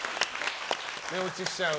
寝落ちしちゃう？